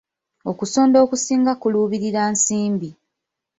Okusonda okusinga kuluubirira nsimbi.